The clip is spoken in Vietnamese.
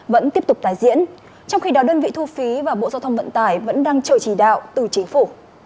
vẫn tiếp tục tái diễn trong khi đó đơn vị thu phí và bộ giao thông vận tải vẫn đang chờ chỉ đạo từ chính phủ